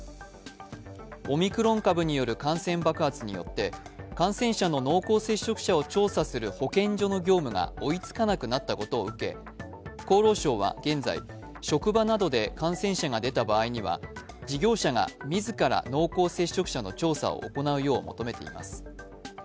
オミクロン株による感染爆発によって感染者の濃厚接触者を調査する保健所の業務が追いつかなくなったことを受け、厚労省は現在職場などで感染者が出た場合には、事業者が自ら濃厚接触者の調査を行うよう求めています。